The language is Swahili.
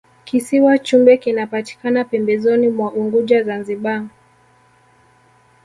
kisiwa chumbe kinapatikana pembezoni mwa unguja zanzibar